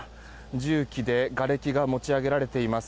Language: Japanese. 重機でがれきが持ち上げられています。